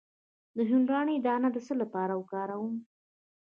د هندواڼې دانه د څه لپاره وکاروم؟